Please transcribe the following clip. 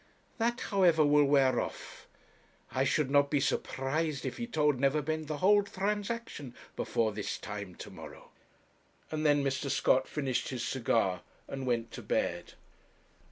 That, however, will wear off. I should not be surprised if he told Neverbend the whole transaction before this time to morrow.' And then Mr. Scott finished his cigar and went to bed.